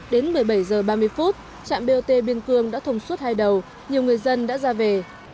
đến một mươi bảy h ba mươi trạm bot biên cương đã thông suốt hai đầu nhiều người dân đã ra về